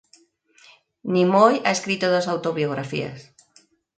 Nimoy ha escrito dos autobiografías.